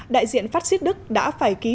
đại diện phát xít đức đã phải ký